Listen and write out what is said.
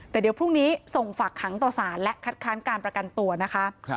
แต่เดี๋ยวพรุ่งนี้ส่งฝากขังต่อสารและคัดค้านการประกันตัวนะคะ